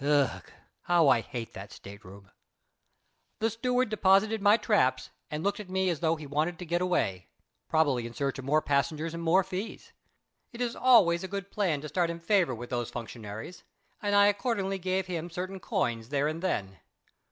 Ugh! how I hate that state room! The steward deposited my traps and looked at me as though he wanted to get away probably in search of more passengers and more fees. It is always a good plan to start in favour with those functionaries, and I accordingly gave him certain coins there and then.